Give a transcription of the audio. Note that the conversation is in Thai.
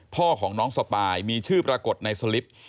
พ่อของน้องสปายมีชื่อปรากฏในสลิป